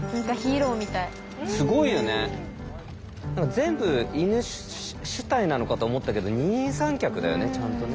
全部犬主体なのかと思ったけど二人三脚だよねちゃんとね。